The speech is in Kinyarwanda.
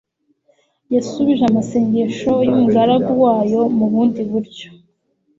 yasubije amasengesho y'umugaragu wayo mu bundi buryo.